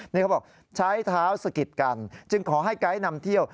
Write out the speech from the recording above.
นี่เขาบอกใช้เท้าสะกิดกันจึงขอให้ไกด์นำเที่ยว